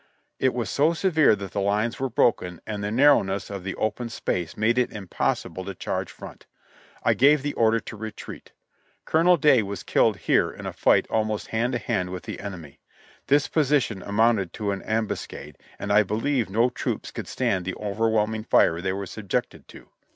It was so severe that the lines were broken, and the narrowness of the open space made it impossible to change front. I gave the order to retreat. Col onel Day w^as killed here in a fig'ht almost hand to hand with the enemy. This position amounted to an ambuscade, and I believe no troops could stand the overwhelming fire they were subjected to.